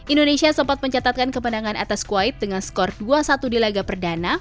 indonesia sempat mencatatkan kemenangan atas kuwait dengan skor dua satu di laga perdana